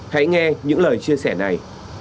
hãy nghe những lời chia sẻ này